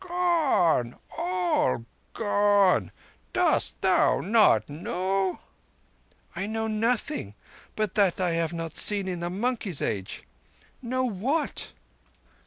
"Gone—all gone. Dost thou not know?" "I know nothing, but that I have not seen thee in a monkey's age. Know what?"